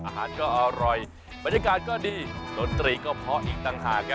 อาหารก็อร่อยบรรยากาศก็ดีดนตรีก็เพราะอีกต่างหากครับ